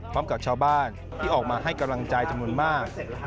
พร้อมกับชาวบ้านที่ออกมาให้กำลังใจจำนวนมาก